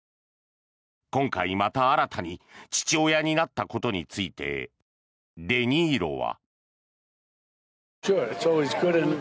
今回また新たに父親になったことについてデ・ニーロは。